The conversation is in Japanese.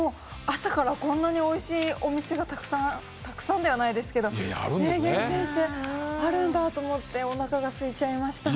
朝からこんなにおいしいお店が、たくさんではないですけど、厳選して、あるんだと思っておなかがすいちゃいました。